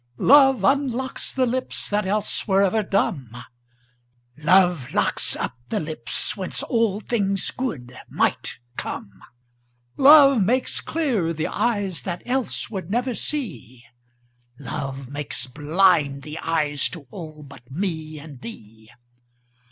Love unlocks the lips that else were ever dumb: "Love locks up the lips whence all things good might come." Love makes clear the eyes that else would never see: "Love makes blind the eyes to all but me and thee."